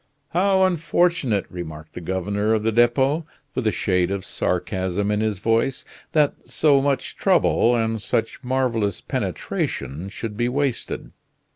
"How unfortunate," remarked the governor of the Depot, with a shade of sarcasm in his voice, "that so much trouble, and such marvelous penetration, should be wasted!"